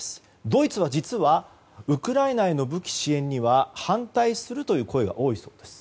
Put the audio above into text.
ドイツは、実はウクライナへの武器支援には反対するという声が多いそうです。